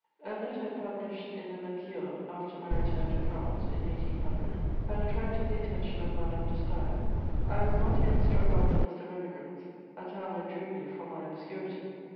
A letter published in the Mercure after my return to France, in 1800, had attracted the attention of Madame de Staël. I was not yet struck off the list of Emigrants; Atala drew me from my obscurity.